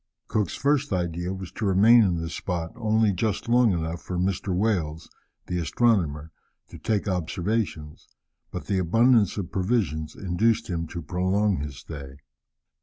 Cook's first idea was to remain in this spot only just long enough for Mr. Wales, the astronomer, to take observations, but the abundance of provisions induced him to prolong his stay.